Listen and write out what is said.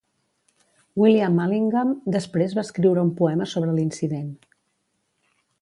William Allingham després va escriure un poema sobre l'incident.